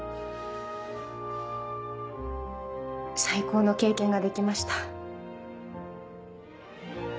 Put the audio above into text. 最高の経験ができました。